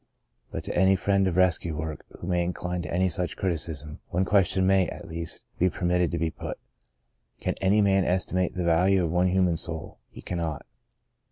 But to any friend of rescue work who may incline to any such criticism, one question may, at least, be permitted to be put : Can any man estimate the value of one human soul ? He cannot.